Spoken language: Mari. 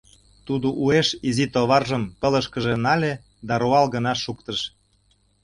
Тудо уэш изи товаржым пылышкыже нале да руал гына шуктыш: